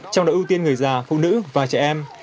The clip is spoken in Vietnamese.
trong đó ưu tiên người già phụ nữ và trẻ em